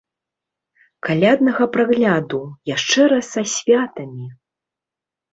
Каляднага прагляду, яшчэ раз са святамі!